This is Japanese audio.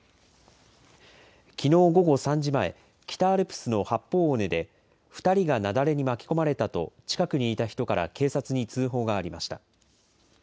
きのう午後３時前、北アルプスの八方尾根で、２人が雪崩に巻き込まれたと、近くにいた人から警察に通報がありました。